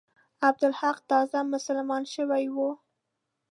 عبدالحق تازه مسلمان شوی وو.